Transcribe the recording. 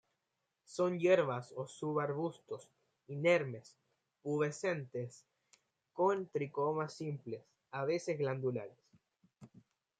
Son hierbas o subarbustos, inermes, pubescentes con tricomas simples, a veces glandulares.